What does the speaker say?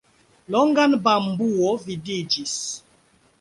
Longan bambuo vidiĝis.